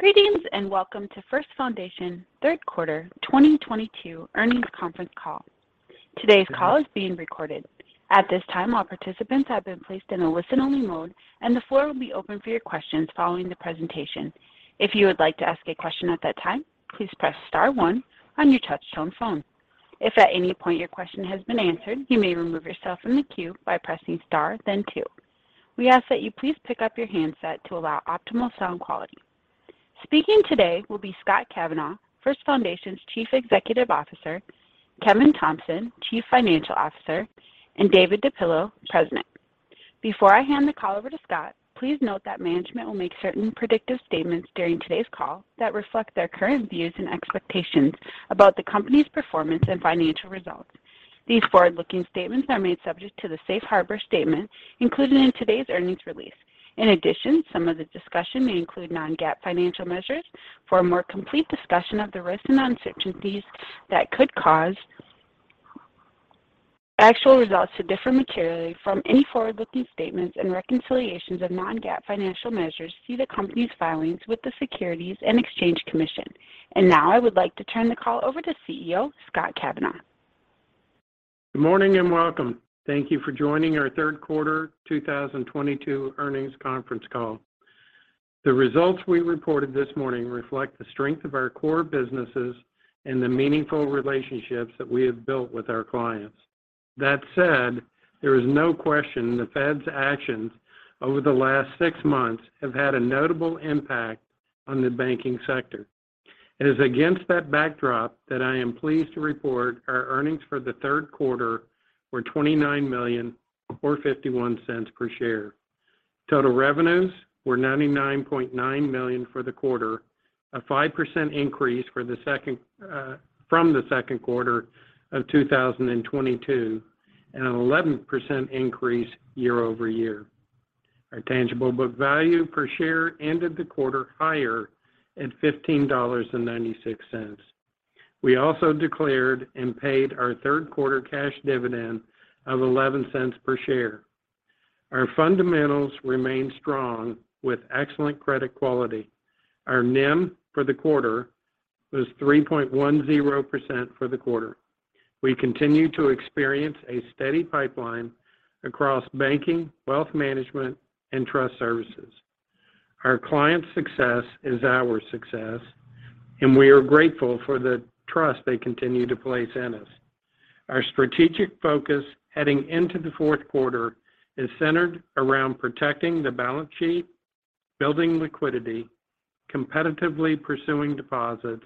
Greetings, and welcome to First Foundation Third Quarter 2022 Earnings Conference Call. Today's call is being recorded. At this time, all participants have been placed in a listen-only mode, and the floor will be open for your questions following the presentation. If you would like to ask a question at that time, please press star one on your touchtone phone. If at any point your question has been answered, you may remove yourself from the queue by pressing star then two. We ask that you please pick up your handset to allow optimal sound quality. Speaking today will be Scott Kavanaugh, First Foundation's Chief Executive Officer, Kevin Thompson, Chief Financial Officer, and David DePillo, President. Before I hand the call over to Scott, please note that management will make certain predictive statements during today's call that reflect their current views and expectations about the company's performance and financial results. These forward-looking statements are made subject to the safe harbor statement included in today's earnings release. In addition, some of the discussion may include non-GAAP financial measures. For a more complete discussion of the risks and uncertainties that could cause actual results to differ materially from any forward-looking statements and reconciliations of non-GAAP financial measures, see the company's filings with the Securities and Exchange Commission. Now, I would like to turn the call over to CEO, Scott Kavanaugh. Good morning, and welcome. Thank you for joining our Third Quarter 2022 Earnings Conference Call. The results we reported this morning reflect the strength of our core businesses and the meaningful relationships that we have built with our clients. That said, there is no question the Fed's actions over the last six months have had a notable impact on the banking sector. It is against that backdrop that I am pleased to report our earnings for the third quarter were $29 million or $0.51 per share. Total revenues were $99.9 million for the quarter, a 5% increase from the second quarter of 2022, and an 11% increase year-over-year. Our tangible book value per share ended the quarter higher at $15.96. We also declared and paid our third quarter cash dividend of $0.11 per share. Our fundamentals remain strong with excellent credit quality. Our NIM for the quarter was 3.10% for the quarter. We continue to experience a steady pipeline across banking, wealth management, and trust services. Our clients success is our success, and we are grateful for the trust they continue to place in us. Our strategic focus heading into the fourth quarter is centered around protecting the balance sheet, building liquidity, competitively pursuing deposits,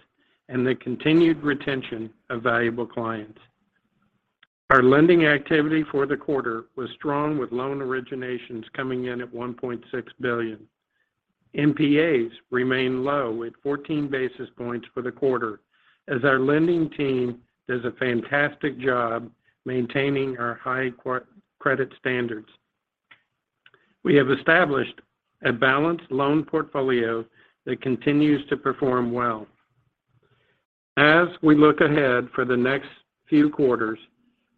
and the continued retention of valuable clients. Our lending activity for the quarter was strong with loan originations coming in at $1.6 billion. NPAs remain low at 14 basis points for the quarter as our lending team does a fantastic job maintaining our high credit standards. We have established a balanced loan portfolio that continues to perform well. As we look ahead for the next few quarters,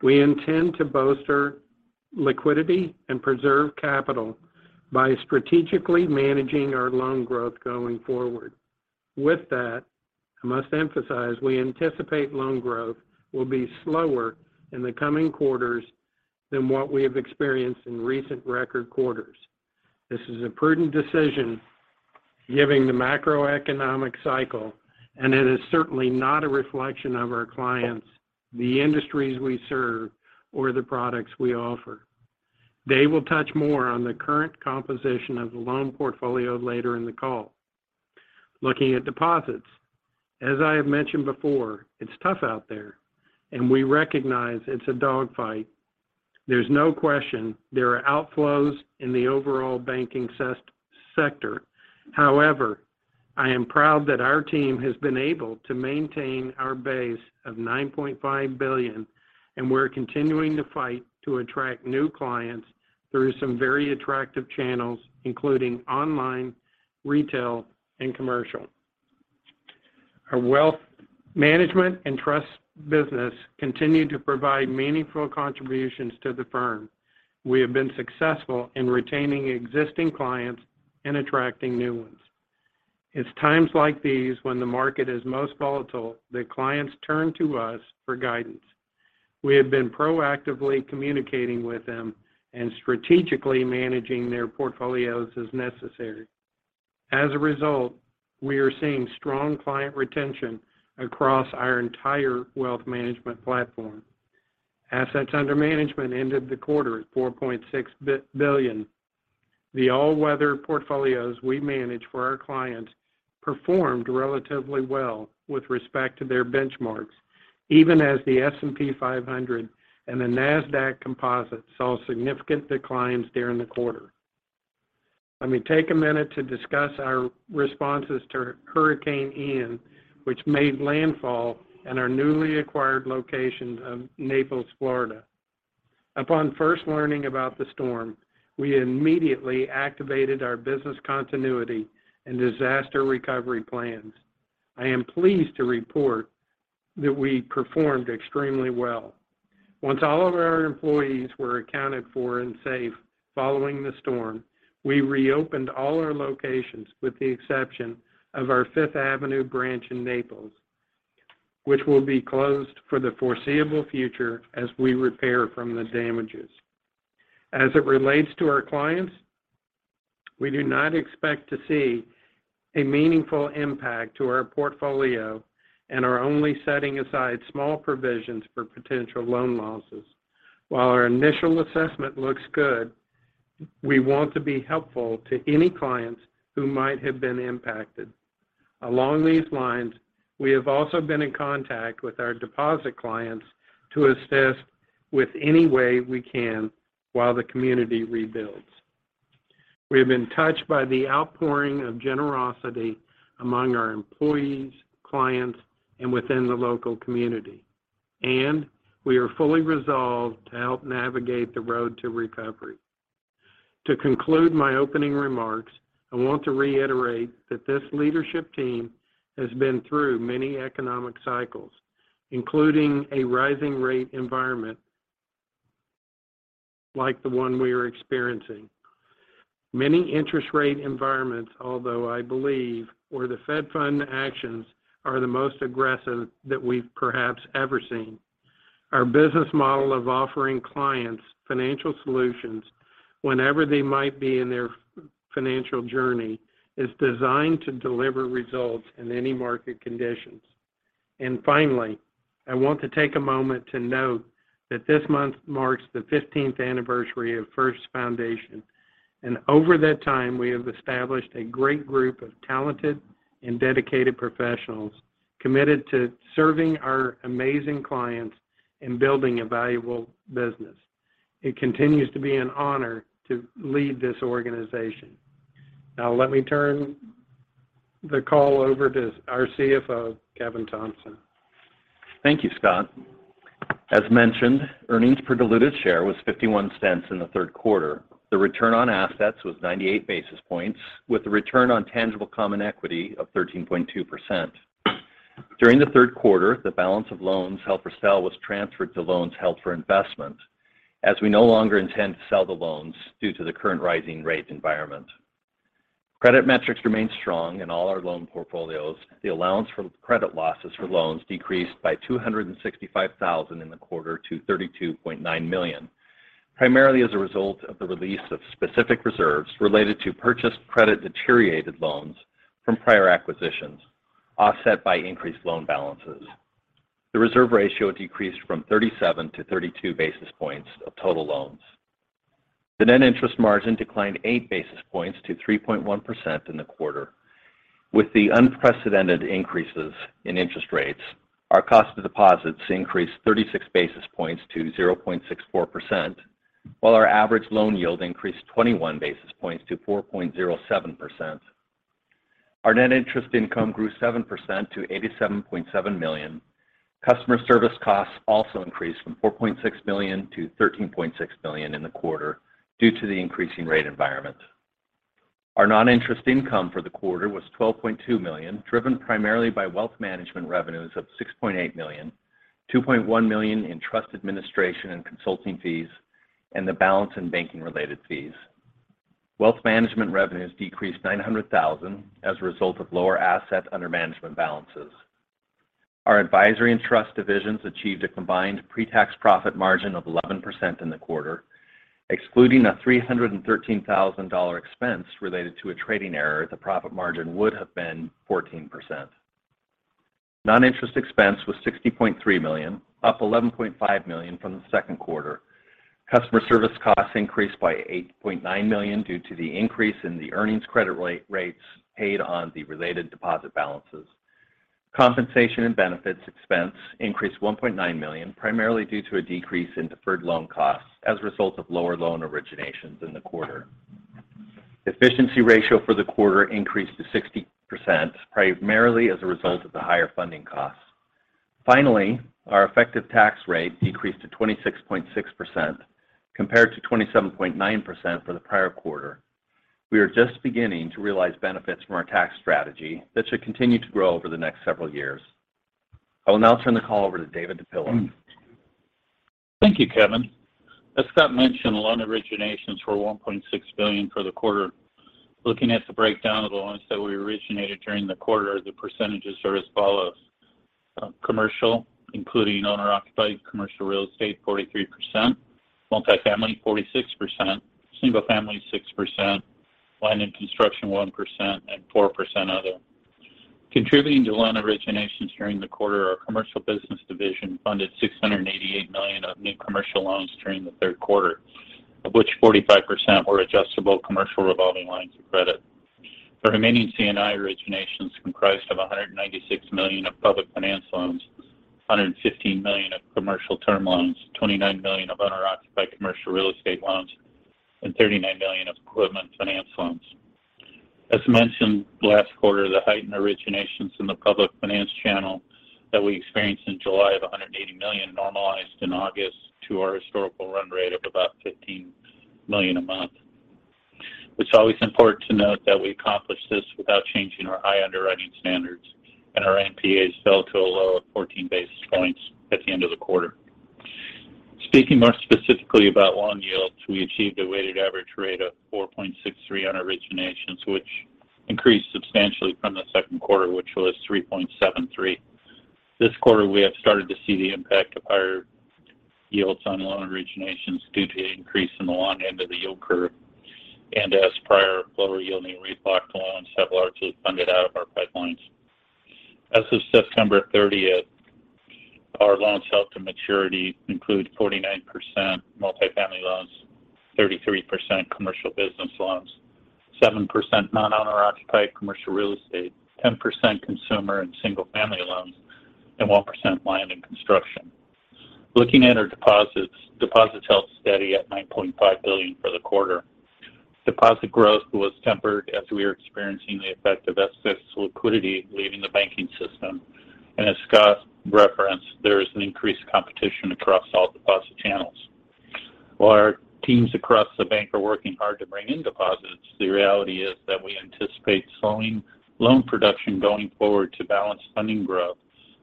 we intend to bolster liquidity and preserve capital by strategically managing our loan growth going forward. With that, I must emphasize we anticipate loan growth will be slower in the coming quarters than what we have experienced in recent record quarters. This is a prudent decision given the macroeconomic cycle, and it is certainly not a reflection of our clients, the industries we serve, or the products we offer. Dave will touch more on the current composition of the loan portfolio later in the call. Looking at deposits, as I have mentioned before, it's tough out there, and we recognize it's a dog fight. There's no question there are outflows in the overall banking sector. However, I am proud that our team has been able to maintain our base of $9.5 billion, and we're continuing to fight to attract new clients through some very attractive channels, including online, retail, and commercial. Our wealth management and trust business continue to provide meaningful contributions to the firm. We have been successful in retaining existing clients and attracting new ones. It's times like these when the market is most volatile that clients turn to us for guidance. We have been proactively communicating with them and strategically managing their portfolios as necessary. As a result, we are seeing strong client retention across our entire wealth management platform. Assets under management ended the quarter at $4.6 billion. The all-weather portfolios we manage for our clients performed relatively well with respect to their benchmarks, even as the S&P 500 and the Nasdaq Composite saw significant declines during the quarter. Let me take a minute to discuss our responses to Hurricane Ian, which made landfall in our newly acquired location of Naples, Florida. Upon first learning about the storm, we immediately activated our business continuity and disaster recovery plans. I am pleased to report that we performed extremely well. Once all of our employees were accounted for and safe following the storm, we reopened all our locations with the exception of our Fifth Avenue branch in Naples, which will be closed for the foreseeable future as we repair from the damages. As it relates to our clients, we do not expect to see a meaningful impact to our portfolio and are only setting aside small provisions for potential loan losses. While our initial assessment looks good, we want to be helpful to any clients who might have been impacted. Along these lines, we have also been in contact with our deposit clients to assist with any way we can while the community rebuilds. We have been touched by the outpouring of generosity among our employees, clients, and within the local community. We are fully resolved to help navigate the road to recovery. To conclude my opening remarks, I want to reiterate that this leadership team has been through many economic cycles, including a rising rate environment like the one we are experiencing. Many interest rate environments, although I believe where the Fed funds actions are the most aggressive that we've perhaps ever seen. Our business model of offering clients financial solutions whenever they might be in their financial journey is designed to deliver results in any market conditions. Finally, I want to take a moment to note that this month marks the 15th anniversary of First Foundation. Over that time, we have established a great group of talented and dedicated professionals committed to serving our amazing clients and building a valuable business. It continues to be an honor to lead this organization. Now, let me turn the call over to our CFO, Kevin Thompson. Thank you, Scott. As mentioned, earnings per diluted share was $0.51 in the third quarter. The return on assets was 98 basis points, with a return on tangible common equity of 13.2%. During the third quarter, the balance of loans held for sale was transferred to loans held for investment, as we no longer intend to sell the loans due to the current rising rate environment. Credit metrics remain strong in all our loan portfolios. The allowance for credit losses for loans decreased by $265,000 in the quarter to $32.9 million, primarily as a result of the release of specific reserves related to purchased credit deteriorated loans from prior acquisitions, offset by increased loan balances. The reserve ratio decreased from 37-32 basis points of total loans. The net interest margin declined 8 basis points to 3.1% in the quarter. With the unprecedented increases in interest rates, our cost of deposits increased 36 basis points to 0.64%, while our average loan yield increased 21 basis points to 4.07%. Our net interest income grew 7% to $87.7 million. Customer service costs also increased from $4.6 million-$13.6 million in the quarter due to the increasing rate environment. Our non-interest income for the quarter was $12.2 million, driven primarily by wealth management revenues of $6.8 million, $2.1 million in trust administration and consulting fees, and the balance in banking-related fees. Wealth management revenues decreased $900,000 as a result of lower assets under management balances. Our advisory and trust divisions achieved a combined pre-tax profit margin of 11% in the quarter. Excluding a $313,000 expense related to a trading error, the profit margin would have been 14%. Non-interest expense was $60.3 million, up $11.5 million from the second quarter. Customer service costs increased by $8.9 million due to the increase in the earnings credit rate, rates paid on the related deposit balances. Compensation and benefits expense increased $1.9 million, primarily due to a decrease in deferred loan costs as a result of lower loan originations in the quarter. Efficiency ratio for the quarter increased to 60%, primarily as a result of the higher funding costs. Finally, our effective tax rate decreased to 26.6% compared to 27.9% for the prior quarter. We are just beginning to realize benefits from our tax strategy that should continue to grow over the next several years. I will now turn the call over to David DePillo. Thank you, Kevin. As Scott mentioned, loan originations were $1.6 billion for the quarter. Looking at the breakdown of the loans that we originated during the quarter, the percentages are as follows. Commercial, including owner-occupied commercial real estate, 43%, multifamily, 46%, single family, 6%, land and construction, 1%, and 4% other. Contributing to loan originations during the quarter, our commercial business division funded $688 million of new commercial loans during the third quarter, of which 45% were adjustable commercial revolving lines of credit. The remaining C&I originations comprised of $196 million of public finance loans, $115 million of commercial term loans, $29 million of owner-occupied commercial real estate loans, and $39 million of equipment finance loans. As mentioned last quarter, the heightened originations in the public finance channel that we experienced in July of $180 million normalized in August to our historical run rate of about $15 million a month. It's always important to note that we accomplished this without changing our high underwriting standards, and our NPAs fell to a low of 14 basis points at the end of the quarter. Speaking more specifically about loan yields, we achieved a weighted average rate of 4.63% on originations, which increased substantially from the second quarter, which was 3.73%. This quarter, we have started to see the impact of higher yields on loan originations due to the increase in the long end of the yield curve and as prior lower-yielding refi-locked loans have largely funded out of our pipelines. As of September 30th, our loans held to maturity include 49% multifamily loans, 33% commercial business loans, 7% non-owner occupied commercial real estate, 10% consumer and single-family loans, and 1% land and construction. Looking at our deposits held steady at $9.5 billion for the quarter. Deposit growth was tempered as we are experiencing the effect of excess liquidity leaving the banking system. As Scott referenced, there is an increased competition across all deposit channels. While our teams across the bank are working hard to bring in deposits, the reality is that we anticipate slowing loan production going forward to balance funding growth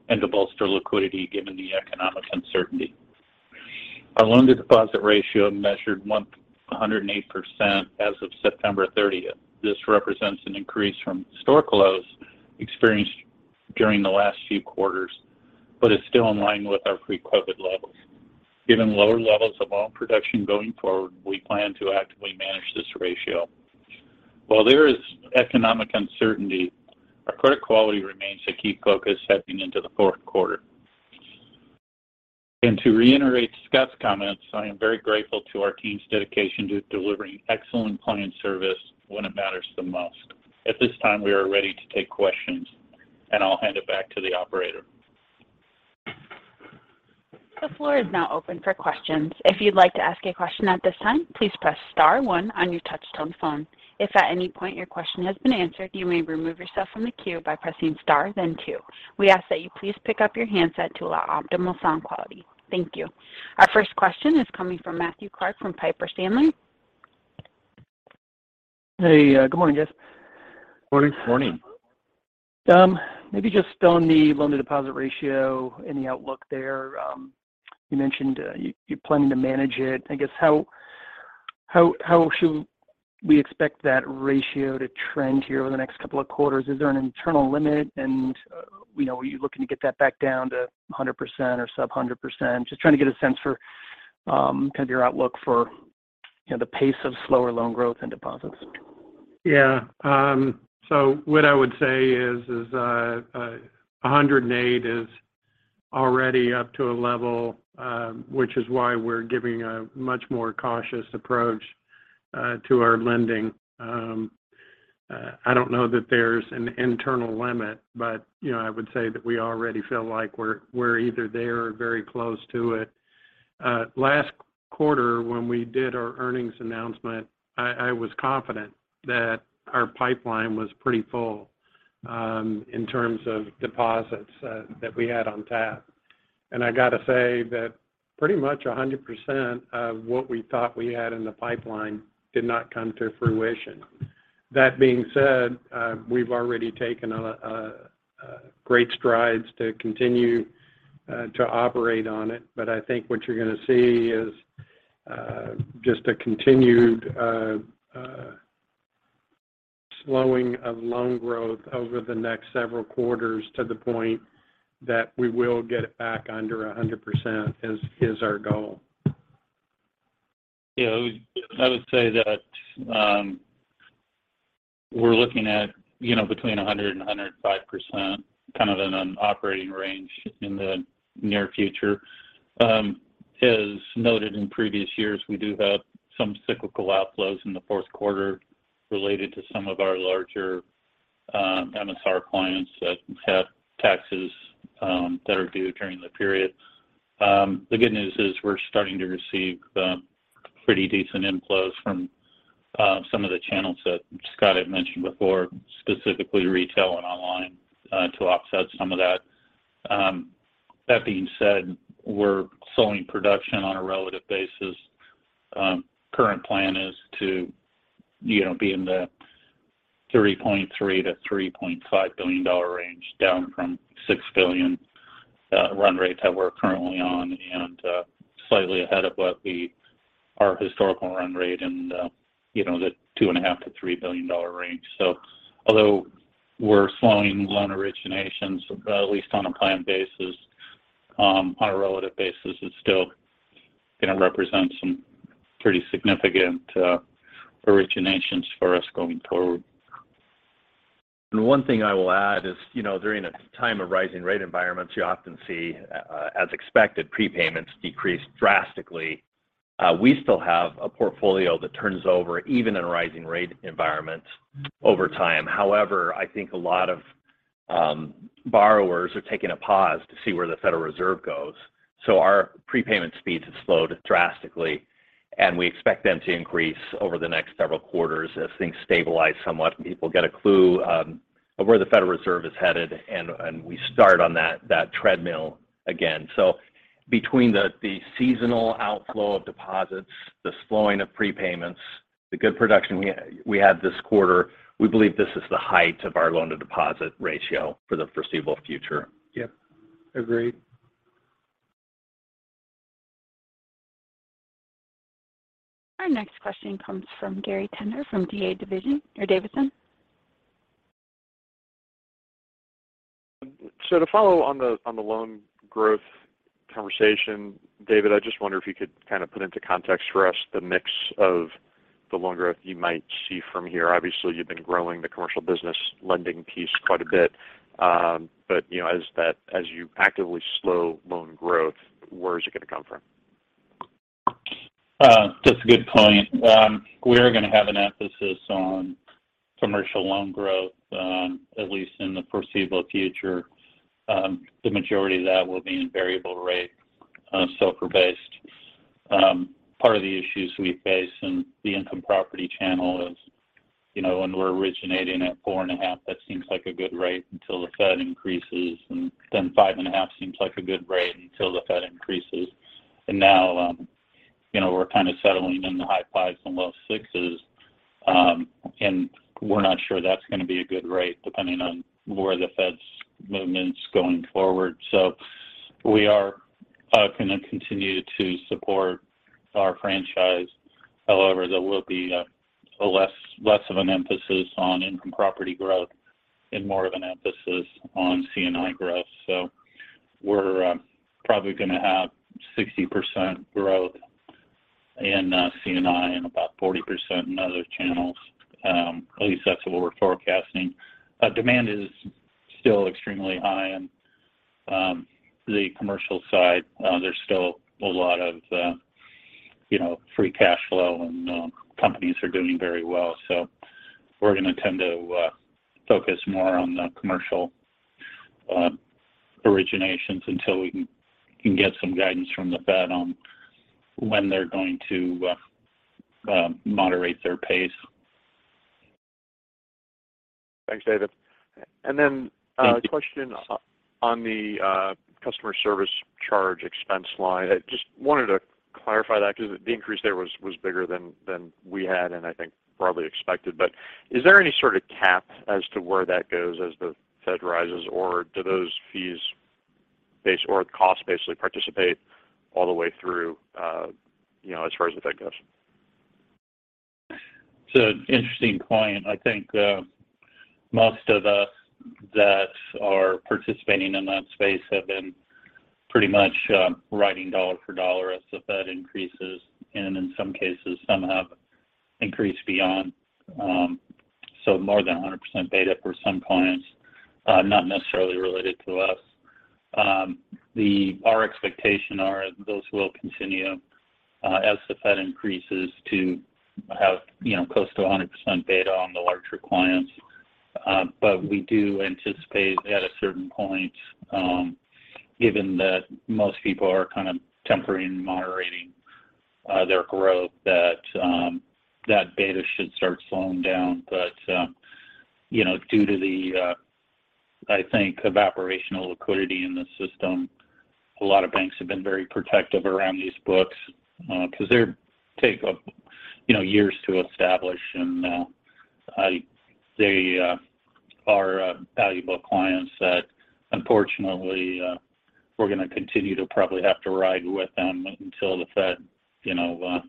and to bolster liquidity given the economic uncertainty. Our loan-to-deposit ratio measured 108% as of September 30th. This represents an increase from historical lows experienced during the last few quarters, but is still in line with our pre-COVID levels. Given lower levels of loan production going forward, we plan to actively manage this ratio. While there is economic uncertainty, our credit quality remains a key focus heading into the fourth quarter. To reiterate Scott's comments, I am very grateful to our team's dedication to delivering excellent client service when it matters the most. At this time, we are ready to take questions, and I'll hand it back to the operator. The floor is now open for questions. If you'd like to ask a question at this time, please press star one on your touch-tone phone. If at any point your question has been answered, you may remove yourself from the queue by pressing star then two. We ask that you please pick up your handset to allow optimal sound quality. Thank you. Our first question is coming from Matthew Clark from Piper Sandler. Hey, good morning, guys. Morning. Morning. Maybe just on the loan-to-deposit ratio, any outlook there? You mentioned you're planning to manage it. I guess how should we expect that ratio to trend here over the next couple of quarters? Is there an internal limit? You know, are you looking to get that back down to 100% or sub-100%? Just trying to get a sense for kind of your outlook for you know, the pace of slower loan growth and deposits. Yeah. So what I would say is 108% is already up to a level which is why we're giving a much more cautious approach to our lending. I don't know that there's an internal limit, but you know, I would say that we already feel like we're either there or very close to it. Last quarter when we did our earnings announcement, I was confident that our pipeline was pretty full in terms of deposits that we had on tap. I got to say that pretty much 100% of what we thought we had in the pipeline did not come to fruition. That being said, we've already taken great strides to continue to operate on it. I think what you're going to see is just a continued slowing of loan growth over the next several quarters to the point that we will get it back under 100% is our goal. I would say that we're looking at between 100% and 105% kind of in an operating range in the near future. As noted in previous years, we do have some cyclical outflows in the fourth quarter related to some of our larger MSR clients that have taxes that are due during the period. The good news is we're starting to receive pretty decent inflows from some of the channels that Scott had mentioned before, specifically retail and online to offset some of that. That being said, we're slowing production on a relative basis. Current plan is to, you know, be in the $3.3 billion-$3.5 billion range down from $6 billion run rate that we're currently on and slightly ahead of our historical run rate in the, you know, the $2.5 billion-$3 billion range. Although we're slowing loan originations, at least on a planned basis, on a relative basis, it's still going to represent some pretty significant originations for us going forward. One thing I will add is, you know, during a time of rising rate environments, you often see, as expected, prepayments decrease drastically. We still have a portfolio that turns over even in a rising rate environment over time. However, I think a lot of borrowers are taking a pause to see where the Federal Reserve goes. Our prepayment speeds have slowed drastically, and we expect them to increase over the next several quarters as things stabilize somewhat, and people get a clue of where the Federal Reserve is headed, and we start on that treadmill again. Between the seasonal outflow of deposits, the slowing of prepayments, the good production we had this quarter, we believe this is the height of our loan to deposit ratio for the foreseeable future. Yeah. Agreed. Our next question comes from Gary Tenner from D.A. Davidson. To follow on the loan growth conversation, David, I just wonder if you could kind of put into context for us the mix of the loan growth you might see from here. Obviously, you've been growing the commercial business lending piece quite a bit. You know, as you actively slow loan growth, where is it gonna come from? That's a good point. We are gonna have an emphasis on commercial loan growth, at least in the foreseeable future. The majority of that will be in variable rate, SOFR-based. Part of the issues we face in the income property channel is, you know, when we're originating at 4.5%, that seems like a good rate until the Fed increases, and then 5.5% seems like a good rate until the Fed increases. Now, you know, we're kind of settling in the high 5%s and low 6%s, and we're not sure that's gonna be a good rate depending on where the Fed's movement's going forward. We are gonna continue to support our franchise. However, there will be less of an emphasis on income property growth and more of an emphasis on C&I growth. We're probably gonna have 60% growth in C&I and about 40% in other channels, at least that's what we're forecasting. Demand is still extremely high on the commercial side. There's still a lot of you know, free cash flow, and companies are doing very well. We're gonna tend to focus more on the commercial originations until we can get some guidance from the Fed on when they're going to moderate their pace. Thanks, David. Thank you. A question on the customer service charge expense line. I just wanted to clarify that because the increase there was bigger than we had and I think broadly expected. Is there any sort of cap as to where that goes as the Fed rises? Or do those fee-based costs basically participate all the way through, you know, as far as the Fed goes? It's an interesting point. I think, most of us that are participating in that space have been pretty much, riding dollar for dollar as the Fed increases, and in some cases some have increased beyond. More than 100% beta for some clients, not necessarily related to us. Our expectation are those will continue, as the Fed increases to have, you know, close to 100% beta on the larger clients. We do anticipate at a certain point, given that most people are kind of tempering and moderating, their growth, that beta should start slowing down. You know, due to the, I think evaporating liquidity in the system, a lot of banks have been very protective around these books, 'cause they take up, you know, years to establish. They are valuable clients that unfortunately we're gonna continue to probably have to ride with them until the Fed, you know,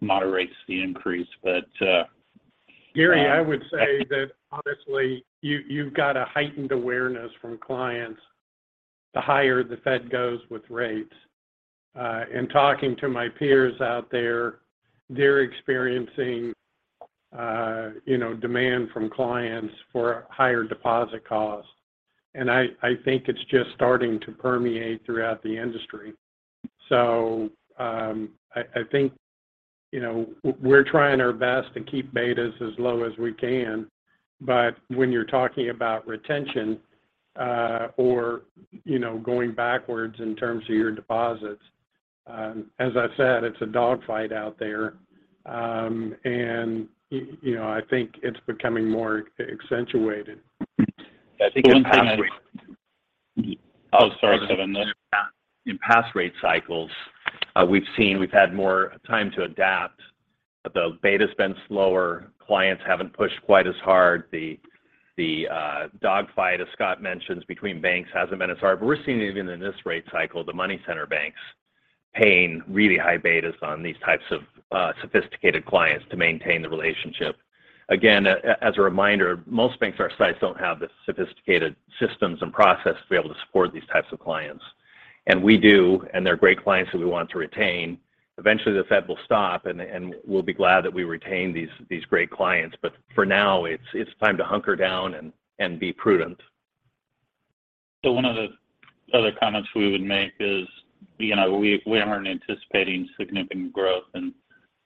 moderates the increase. Gary, I would say that honestly, you've got a heightened awareness from clients the higher the Fed goes with rates. In talking to my peers out there, they're experiencing, you know, demand from clients for higher deposit costs. I think it's just starting to permeate throughout the industry. I think, you know, we're trying our best to keep betas as low as we can, but when you're talking about retention, or, you know, going backwards in terms of your deposits, as I've said, it's a dogfight out there. You know, I think it's becoming more accentuated. I think one thing. In past rates. Oh, sorry, Kevin. In past rate cycles, we've seen we've had more time to adapt. The beta's been slower. Clients haven't pushed quite as hard. The dogfight, as Scott mentions, between banks hasn't been as hard. We're seeing even in this rate cycle, the money center banks paying really high betas on these types of sophisticated clients to maintain the relationship. Again, as a reminder, most banks our size don't have the sophisticated systems and process to be able to support these types of clients. And we do, and they're great clients that we want to retain. Eventually, the Fed will stop, and we'll be glad that we retained these great clients. For now, it's time to hunker down and be prudent. One of the other comments we would make is, you know, we aren't anticipating significant growth in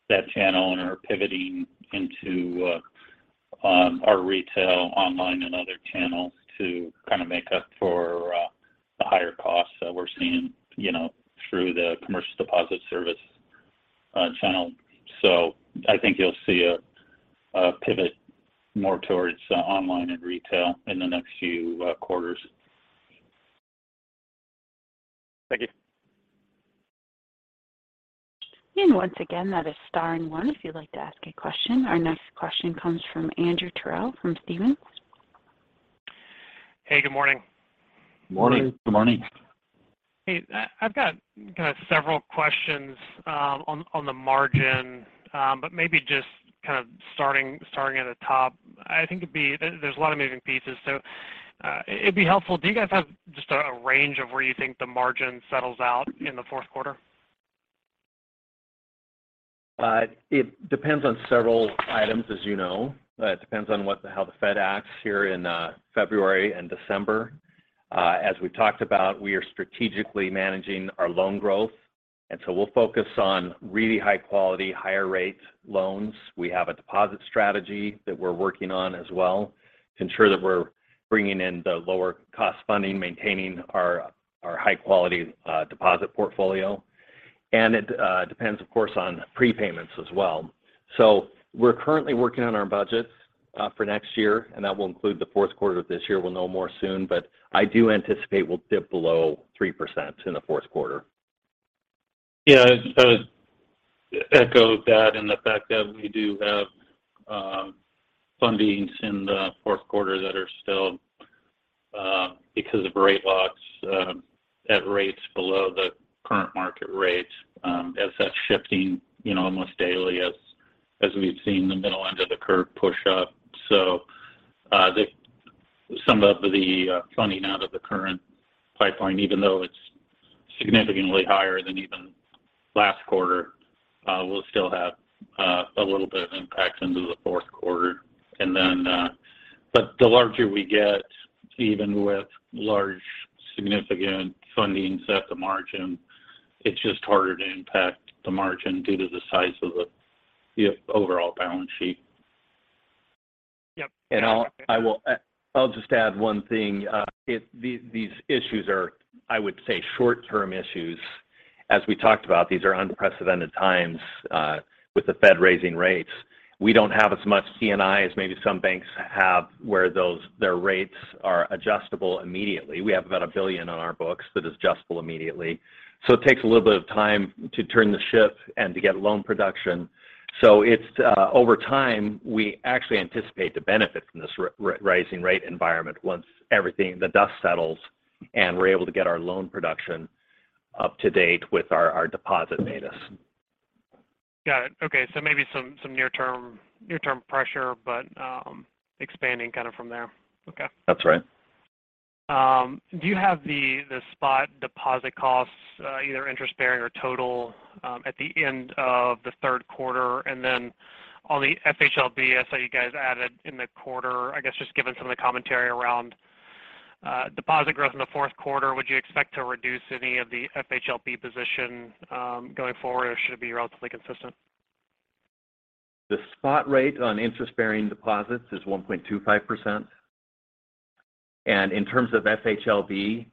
that channel and are pivoting into our retail, online and other channels to kind of make up for the higher costs that we're seeing, you know, through the commercial deposit service channel. I think you'll see a pivot more towards online and retail in the next few quarters. Thank you. Once again, that is star and one if you'd like to ask a question. Our next question comes from Andrew Terrell from Stephens. Hey, good morning. Morning. Good morning. Hey, I've got kind of several questions on the margin. Maybe just kind of starting at the top. There's a lot of moving pieces, so it'd be helpful. Do you guys have just a range of where you think the margin settles out in the fourth quarter? It depends on several items, as you know. It depends on how the Fed acts here in February and December. As we've talked about, we are strategically managing our loan growth, and so we'll focus on really high quality, higher rate loans. We have a deposit strategy that we're working on as well to ensure that we're bringing in the lower cost funding, maintaining our high-quality deposit portfolio. It depends, of course, on prepayments as well. We're currently working on our budgets for next year, and that will include the fourth quarter of this year. We'll know more soon, but I do anticipate we'll dip below 3% in the fourth quarter. Yeah. I just echo that and the fact that we do have fundings in the fourth quarter that are still because of rate locks at rates below the current market rates as that's shifting you know almost daily as we've seen the middle end of the curve push up. Some of the funding out of the current pipeline even though it's significantly higher than even last quarter will still have a little bit of impact into the fourth quarter. The larger we get even with large significant fundings at the margin it's just harder to impact the margin due to the size of the overall balance sheet. Yep. I'll just add one thing. These issues are, I would say, short-term issues. As we talked about, these are unprecedented times with the Fed raising rates. We don't have as much C&I as maybe some banks have, where their rates are adjustable immediately. We have about $1 billion on our books that is adjustable immediately. It takes a little bit of time to turn the ship and to get loan production. It's over time, we actually anticipate to benefit from this rising rate environment once everything, the dust settles, and we're able to get our loan production up to date with our deposit betas. Got it. Okay. Maybe some near-term pressure, but expanding kind of from there. Okay. That's right. Do you have the spot deposit costs, either interest bearing or total, at the end of the third quarter? On the FHLB, I saw you guys added in the quarter. I guess just given some of the commentary around deposit growth in the fourth quarter, would you expect to reduce any of the FHLB position, going forward, or should it be relatively consistent? The spot rate on interest-bearing deposits is 1.25%. In terms of FHLB,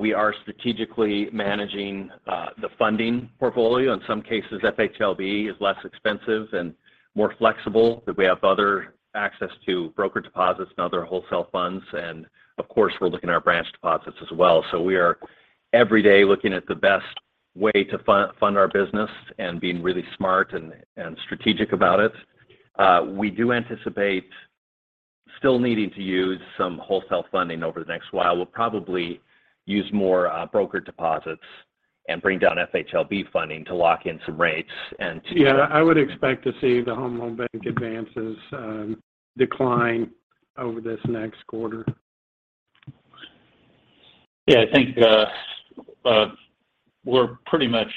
we are strategically managing the funding portfolio. In some cases, FHLB is less expensive and more flexible, but we have other access to broker deposits and other wholesale funds. Of course, we're looking at our branch deposits as well. We are every day looking at the best way to fund our business and being really smart and strategic about it. We do anticipate still needing to use some wholesale funding over the next while. We'll probably use more broker deposits and bring down FHLB funding to lock in some rates and to- Yeah, I would expect to see the Federal Home Loan Bank advances decline over this next quarter. Yeah. I think we're pretty much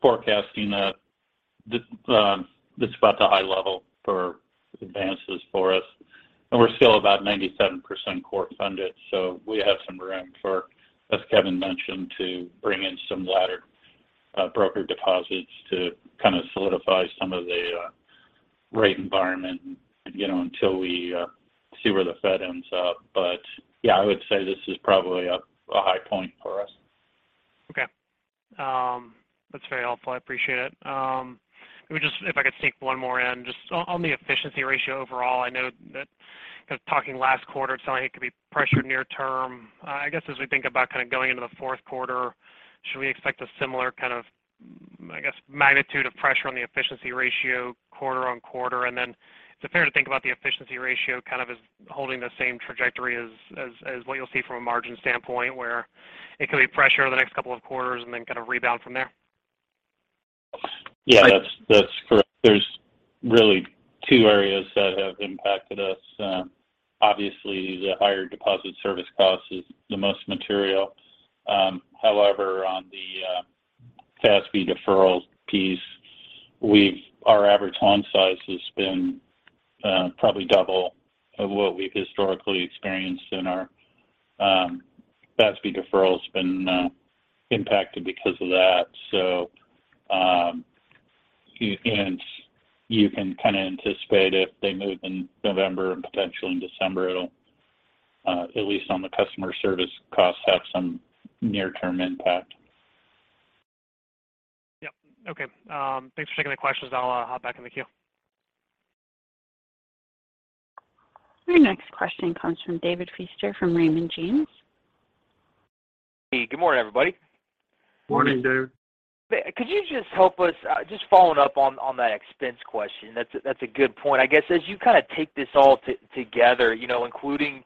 forecasting that this is about the high level for advances for us, and we're still about 97% core funded, so we have some room for, as Kevin mentioned, to bring in some laddered broker deposits to kind of solidify some of the rate environment, you know, until we see where the Fed ends up. Yeah, I would say this is probably a high point for us. Okay. That's very helpful. I appreciate it. Let me just, if I could sneak one more in, just on the efficiency ratio overall. I know that kind of talking last quarter, it sounded like it could be under pressure near term. I guess as we think about kind of going into the fourth quarter, should we expect a similar kind of, I guess, magnitude of pressure on the efficiency ratio quarter on quarter? And then is it fair to think about the efficiency ratio kind of as holding the same trajectory as what you'll see from a margin standpoint, where it could be under pressure over the next couple of quarters and then kind of rebound from there? Yeah. That's correct. There's really two areas that have impacted us. Obviously, the higher deposit service cost is the most material. However, on the FASB deferral piece, our average loan size has been probably double of what we've historically experienced, and our FASB deferral has been impacted because of that. You can kind of anticipate if they move in November and potentially in December, it'll At least on the customer service costs have some near-term impact. Yep. Okay. Thanks for taking the questions. I'll hop back in the queue. Your next question comes from David Feaster from Raymond James. Hey, good morning, everybody. Morning, David. Could you just help us? Just following up on that expense question. That's a good point. I guess, as you kind of take this all together, you know, including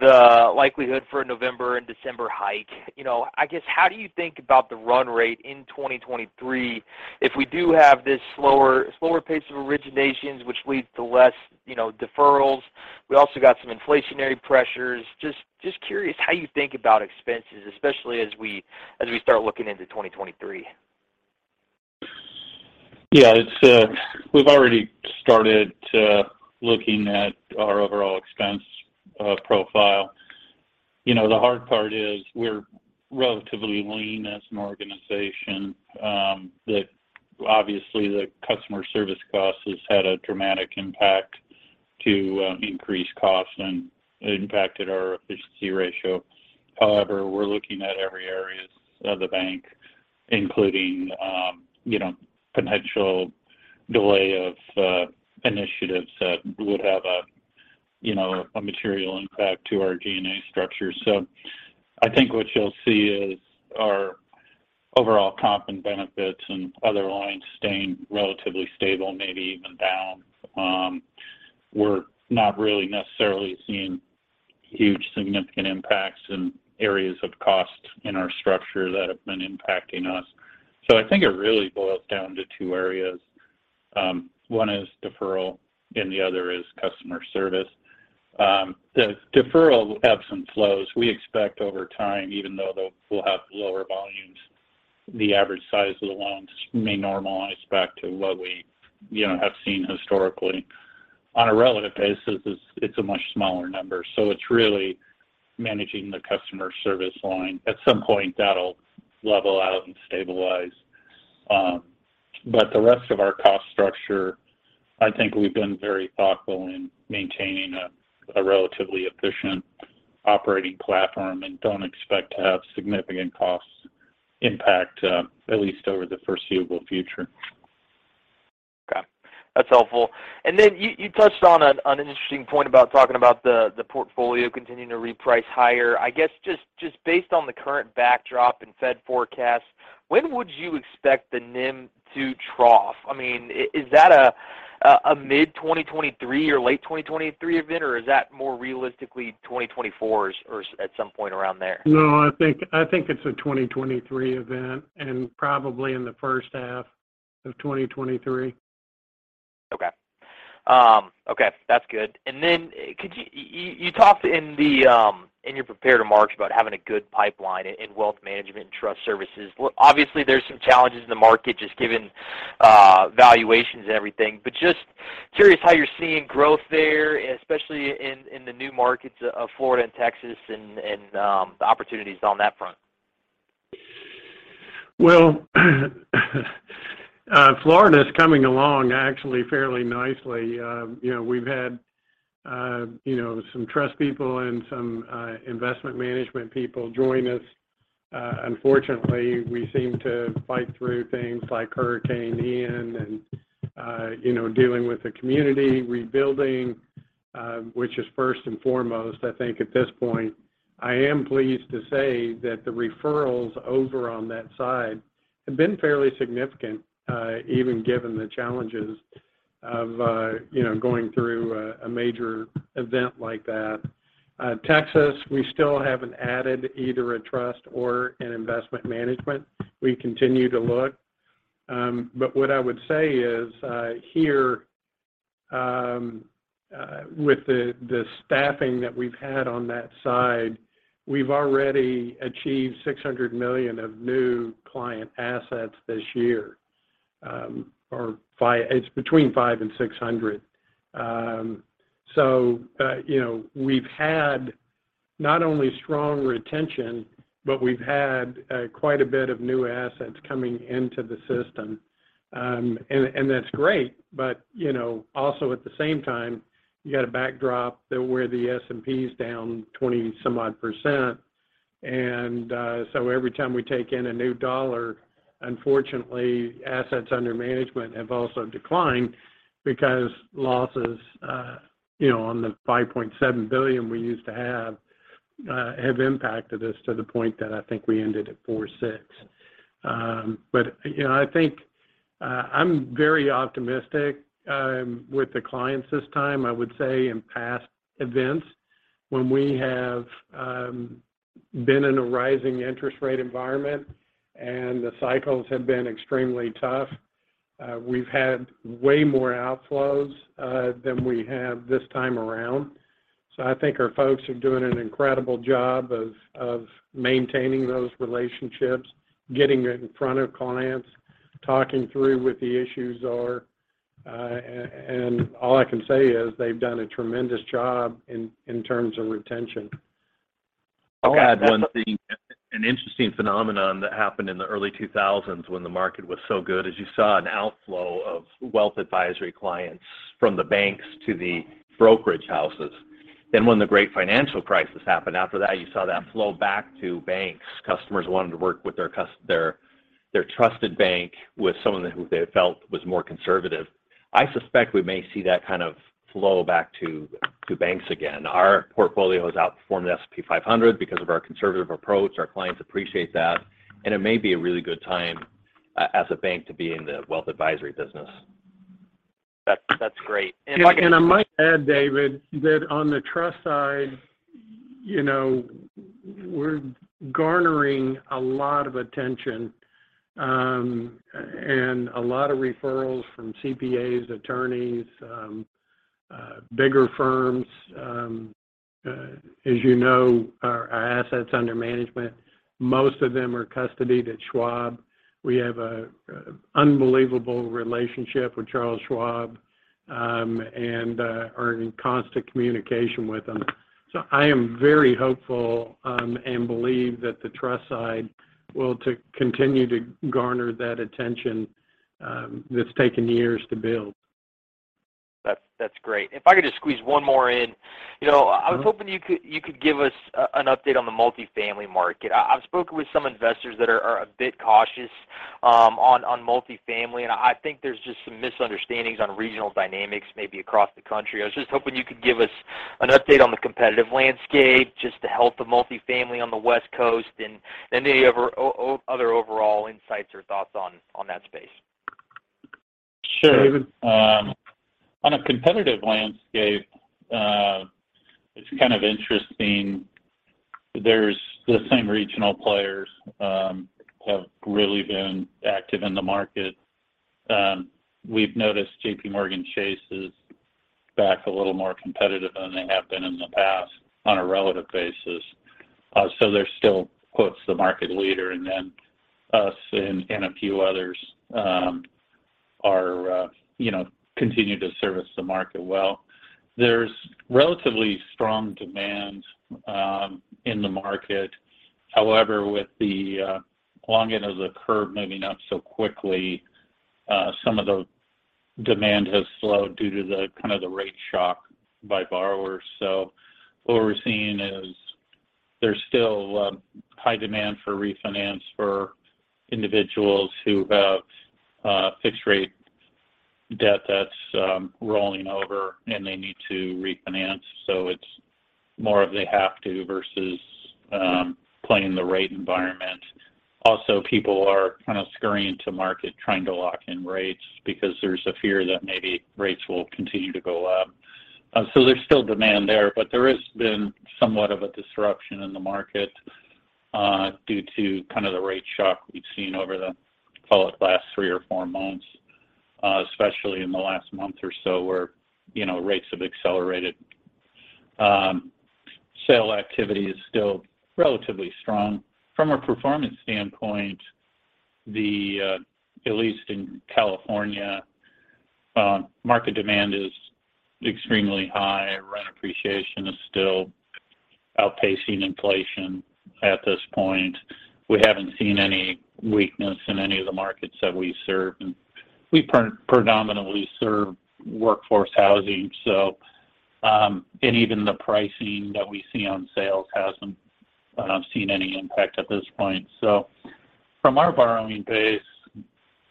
the likelihood for a November and December hike, you know, I guess, how do you think about the run rate in 2023 if we do have this slower pace of originations which leads to less, you know, deferrals? We also got some inflationary pressures. Just curious how you think about expenses, especially as we start looking into 2023. Yeah. We've already started looking at our overall expense profile. You know, the hard part is we're relatively lean as an organization. Obviously, the customer service cost has had a dramatic impact to increase costs and impacted our efficiency ratio. However, we're looking at every areas of the bank, including you know, potential delay of initiatives that would have a you know, a material impact to our G&A structure. I think what you'll see is our overall comp and benefits and other lines staying relatively stable, maybe even down. We're not really necessarily seeing huge significant impacts in areas of cost in our structure that have been impacting us. I think it really boils down to two areas. One is deferral, and the other is customer service. The deferral ebbs and flows. We expect over time, even though we'll have lower volumes, the average size of the loans may normalize back to what we, you know, have seen historically. On a relative basis, it's a much smaller number, so it's really managing the customer service line. At some point, that'll level out and stabilize. But the rest of our cost structure, I think we've been very thoughtful in maintaining a relatively efficient operating platform and don't expect to have significant costs impact, at least over the foreseeable future. Okay. That's helpful. You touched on an interesting point about talking about the portfolio continuing to reprice higher. I guess, just based on the current backdrop and Fed forecast, when would you expect the NIM to trough? I mean, is that a mid-2023 or late 2023 event, or is that more realistically 2024 or at some point around there? No, I think it's a 2023 event, and probably in the first half of 2023. Okay. That's good. You talked in your prepared remarks about having a good pipeline in wealth management and trust services. Well, obviously, there's some challenges in the market just given valuations and everything. Just curious how you're seeing growth there, especially in the new markets of Florida and Texas and the opportunities on that front. Well, Florida's coming along actually fairly nicely. You know, we've had you know, some trust people and some investment management people join us. Unfortunately, we seem to fight through things like Hurricane Ian and you know, dealing with the community rebuilding, which is first and foremost, I think at this point. I am pleased to say that the referrals over on that side have been fairly significant, even given the challenges of you know, going through a major event like that. Texas, we still haven't added either a trust or an investment management. We continue to look. What I would say is here with the staffing that we've had on that side, we've already achieved $600 million of new client assets this year, or $500 million. It's between $500 million and $600 million. You know, we've had not only strong retention, but we've had quite a bit of new assets coming into the system. That's great, but you know, also at the same time, you got a backdrop where the S&P's down 20-some-odd%. Every time we take in a new dollar, unfortunately assets under management have also declined because losses, you know, on the $5.7 billion we used to have have impacted us to the point that I think we ended at $4.6 billion. You know, I think I'm very optimistic with the clients this time. I would say in past events when we have been in a rising interest rate environment and the cycles have been extremely tough, we've had way more outflows than we have this time around. I think our folks are doing an incredible job of maintaining those relationships, getting in front of clients, talking through what the issues are. All I can say is they've done a tremendous job in terms of retention. I'll add one thing. An interesting phenomenon that happened in the early 2000s when the market was so good is you saw an outflow of wealth advisory clients from the banks to the brokerage houses. When the great financial crisis happened after that, you saw that flow back to banks. Customers wanted to work with their trusted bank with someone who they felt was more conservative. I suspect we may see that kind of flow back to banks again. Our portfolio has outperformed the S&P 500 because of our conservative approach. Our clients appreciate that, and it may be a really good time as a bank to be in the wealth advisory business. That's great. I might add, David, that on the trust side, you know, we're garnering a lot of attention, and a lot of referrals from CPAs, attorneys, bigger firms. As you know, our assets under management, most of them are custodied at Schwab. We have a unbelievable relationship with Charles Schwab, and are in constant communication with them. I am very hopeful, and believe that the trust side will to continue to garner that attention. That's taken years to build. That's great. If I could just squeeze one more in. You know, I was hoping you could give us an update on the multifamily market. I've spoken with some investors that are a bit cautious on multifamily, and I think there's just some misunderstandings on regional dynamics maybe across the country. I was just hoping you could give us an update on the competitive landscape, just the health of multifamily on the West Coast, and any other overall insights or thoughts on that space. Sure. David. On a competitive landscape, it's kind of interesting. There's the same regional players have really been active in the market. We've noticed JPMorgan Chase & Co. is back a little more competitive than they have been in the past on a relative basis. They're still "the market leader," and then us and a few others, you know, continue to service the market well. There's relatively strong demand in the market. However, with the long end of the curve moving up so quickly, some of the demand has slowed due to the kind of the rate shock by borrowers. What we're seeing is there's still high demand for refinance for individuals who have fixed rate debt that's rolling over, and they need to refinance. It's more of they have to versus playing the rate environment. Also, people are kind of scurrying to market trying to lock in rates because there's a fear that maybe rates will continue to go up. There's still demand there, but there has been somewhat of a disruption in the market due to kind of the rate shock we've seen over the call it last three or four months, especially in the last month or so where, you know, rates have accelerated. Sales activity is still relatively strong. From a performance standpoint, at least in California, market demand is extremely high. Rent appreciation is still outpacing inflation at this point. We haven't seen any weakness in any of the markets that we serve. We predominantly serve workforce housing, so, and even the pricing that we see on sales hasn't seen any impact at this point. From our borrowing base,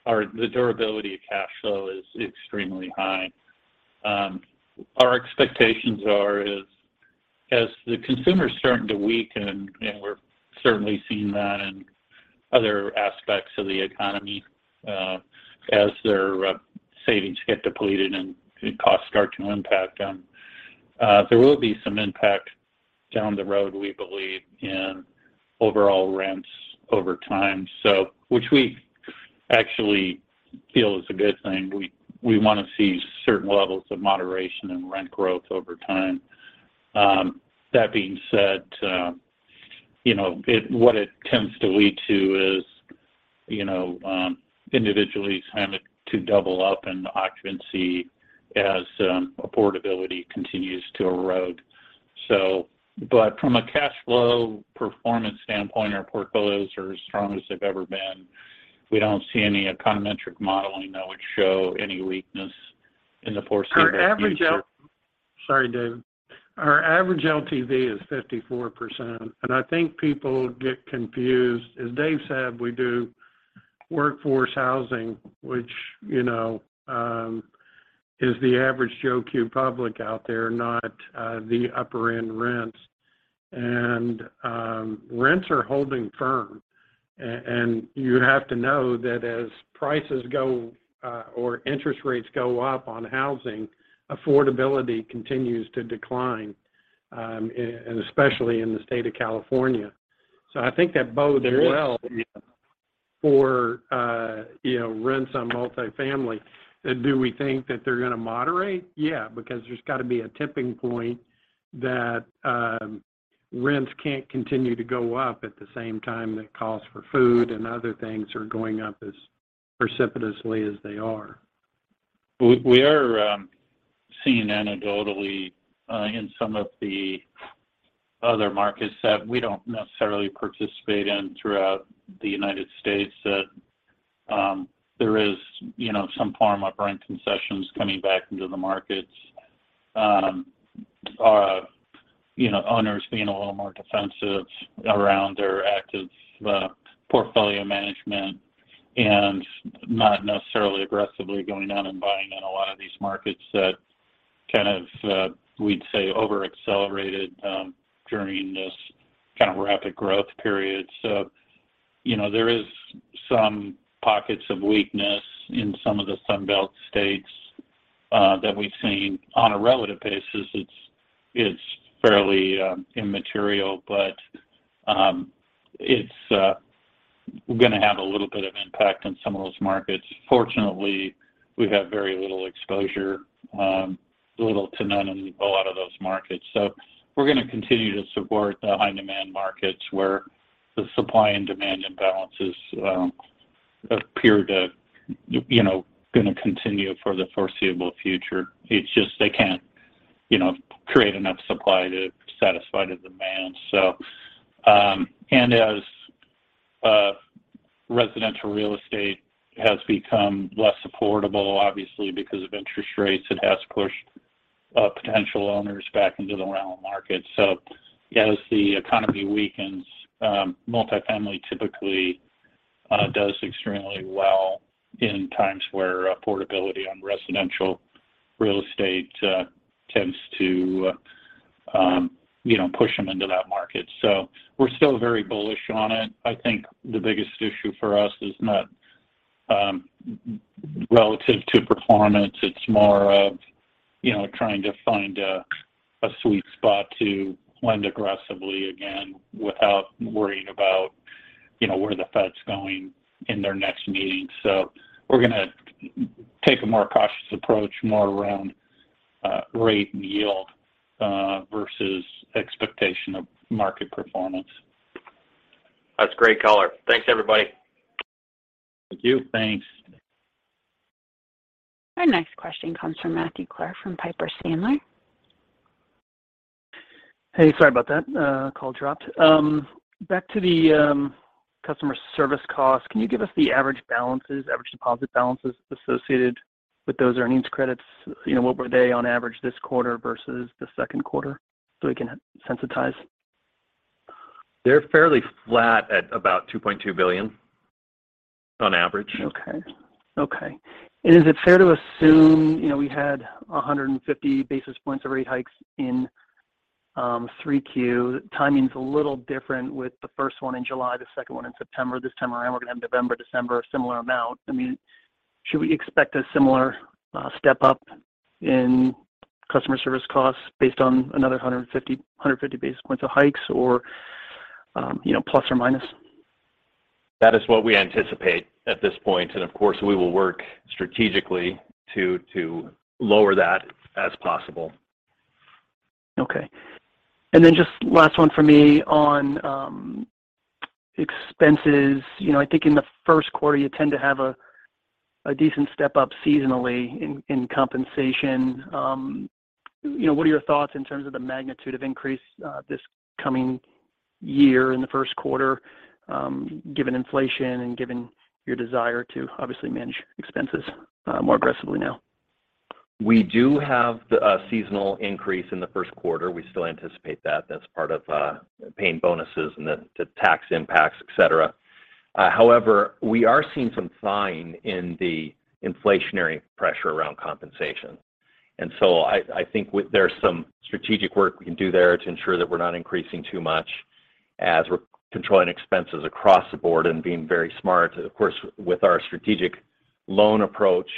our the durability of cash flow is extremely high. Our expectations are as the consumer is starting to weaken, and we're certainly seeing that in other aspects of the economy, as their savings get depleted and costs start to impact them, there will be some impact down the road, we believe, in overall rents over time. Which we actually feel is a good thing. We want to see certain levels of moderation in rent growth over time. That being said, you know, what it tends to lead to is, you know, individuals kind of double up in occupancy as, affordability continues to erode. From a cash flow performance standpoint, our portfolios are as strong as they've ever been. We don't see any econometric modeling that would show any weakness in the foreseeable future. Our average LTV is 54%, and I think people get confused. As Dave said, we do workforce housing, which, you know, is the average Joe Q. Public out there, not the upper end rents. Rents are holding firm. You have to know that as prices go, or interest rates go up on housing, affordability continues to decline, and especially in the state of California. I think that bodes well. For, you know, rents on multifamily. Do we think that they're gonna moderate? Yeah, because there's got to be a tipping point that rents can't continue to go up at the same time that costs for food and other things are going up as precipitously as they are. We are seeing anecdotally in some of the other markets that we don't necessarily participate in throughout the United States that there is, you know, some form of rent concessions coming back into the markets. You know, owners being a little more defensive around their active portfolio management and not necessarily aggressively going out and buying in a lot of these markets that kind of we'd say over-accelerated during this kind of rapid growth period. You know, there is some pockets of weakness in some of the Sun Belt states that we've seen. On a relative basis, it's fairly immaterial, but it's gonna have a little bit of impact on some of those markets. Fortunately, we have very little exposure, little to none in a lot of those markets. We're gonna continue to support the high-demand markets where the supply and demand imbalances appear to you know gonna continue for the foreseeable future. It's just they can't you know create enough supply to satisfy the demand. Residential real estate has become less affordable, obviously, because of interest rates, it has pushed potential owners back into the rental market. As the economy weakens, multifamily typically does extremely well in times where affordability on residential real estate tends to you know push them into that market. We're still very bullish on it. I think the biggest issue for us is not relative to performance, it's more of you know trying to find a sweet spot to lend aggressively again without worrying about you know where the Fed's going in their next meeting. We're gonna take a more cautious approach more around rate and yield versus expectation of market performance. That's great color. Thanks, everybody. Thank you. Thanks. Our next question comes from Matthew Clark from Piper Sandler. Hey, sorry about that. Call dropped. Back to the customer service cost, can you give us the average balances, average deposit balances associated with those earnings credits? You know, what were they on average this quarter versus the second quarter, so we can sensitize? They're fairly flat at about $2.2 billion on average. Is it fair to assume? You know, we had 150 basis points of rate hikes in Q3. Timing's a little different with the first one in July, the second one in September. This time around, we're gonna have November, December, a similar amount. I mean, should we expect a similar step-up in customer service costs based on another 150 basis points of hikes or, you know, plus or minus? That is what we anticipate at this point. Of course, we will work strategically to lower that as possible. Okay. Just last one for me on expenses. You know, I think in the first quarter, you tend to have a decent step-up seasonally in compensation. You know, what are your thoughts in terms of the magnitude of increase this coming year in the first quarter, given inflation and given your desire to obviously manage expenses more aggressively now? We do have a seasonal increase in the first quarter. We still anticipate that. That's part of paying bonuses and the tax impacts, et cetera. However, we are seeing some signs of inflationary pressure around compensation. I think there's some strategic work we can do there to ensure that we're not increasing too much as we're controlling expenses across the board and being very smart. Of course, with our strategic loan approach,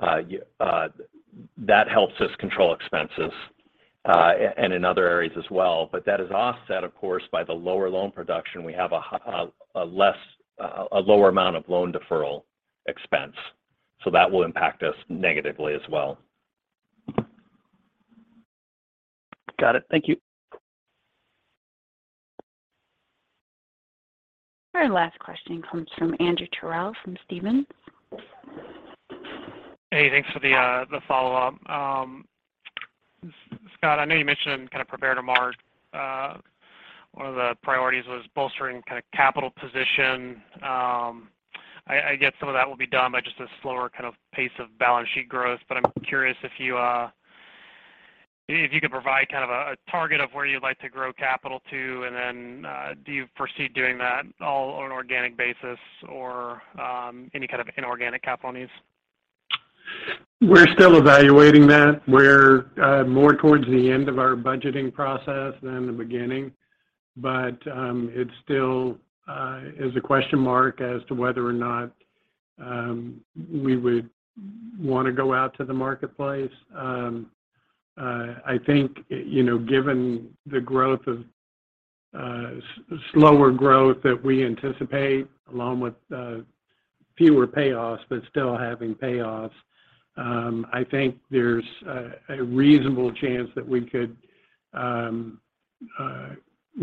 that helps us control expenses and in other areas as well. That is offset, of course, by the lower loan production. We have a lower amount of loan deferral expense, so that will impact us negatively as well. Got it. Thank you. Our last question comes from Andrew Terrell from Stephens. Hey, thanks for the follow-up. Scott, I know you mentioned in the prepared remarks one of the priorities was bolstering the capital position. I get some of that will be done by just a slower kind of pace of balance sheet growth, but I'm curious if you could provide kind of a target of where you'd like to grow capital to. Do you foresee doing that all on an organic basis or any kind of inorganic capital needs? We're still evaluating that. We're more towards the end of our budgeting process than the beginning, but it still is a question mark as to whether or not we would wanna go out to the marketplace. I think, you know, given the growth of slower growth that we anticipate, along with fewer payoffs, but still having payoffs, I think there's a reasonable chance that we could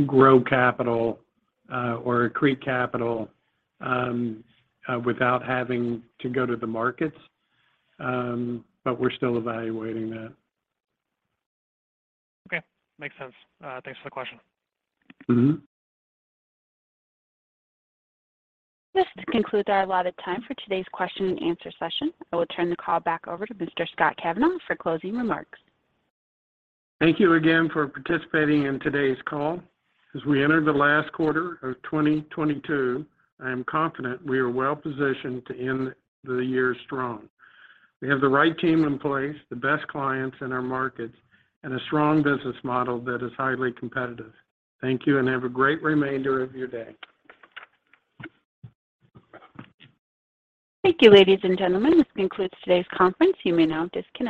grow capital or accrete capital without having to go to the markets. We're still evaluating that. Okay. Makes sense. Thanks for the question. Mm-hmm. This concludes our allotted time for today's question and answer session. I will turn the call back over to Mr. Scott Kavanaugh for closing remarks. Thank you again for participating in today's call. As we enter the last quarter of 2022, I am confident we are well positioned to end the year strong. We have the right team in place, the best clients in our markets, and a strong business model that is highly competitive. Thank you, and have a great remainder of your day. Thank you, ladies and gentlemen. This concludes today's conference. You may now disconnect.